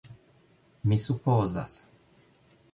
Mi supozas...